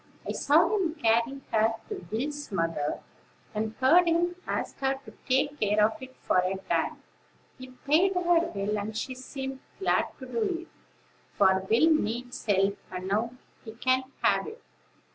I saw him carry her to Will's mother, and heard him ask her to take care of it for a time. He paid her well, and she seemed glad to do it; for Will needs help, and now he can have it.